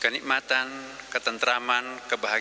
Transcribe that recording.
kenikmatan ketentraman dan kemampuan yang kami berikan kepada anda